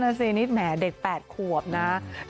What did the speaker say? นี่แหมเด็ก๘ขวบนะ